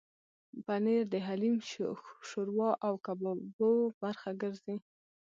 پنېر د حلیم، شوروا او کبابو برخه ګرځي.